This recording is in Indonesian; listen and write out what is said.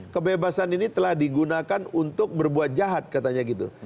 kebebasan ini telah digunakan untuk berbuat jahat katanya gitu